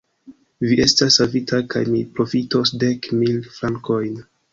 Vi estas savita kaj mi profitos dek mil frankojn.